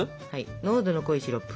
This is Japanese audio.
濃度の濃いシロップ。